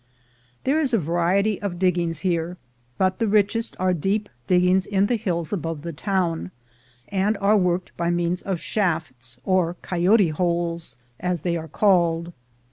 There is a variety of diggings here, but the richest are deep diggings in the hills above the town, and are worked by means of shafts, or coyote holes, as they are called.